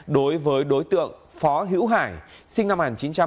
đối với đối tượng phó hữu hải sinh năm một nghìn chín trăm tám mươi